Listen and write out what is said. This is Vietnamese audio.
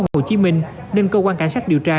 hồ chí minh nên cơ quan cảnh sát điều tra